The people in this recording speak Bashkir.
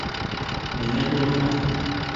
Ниңә туҙынаһың?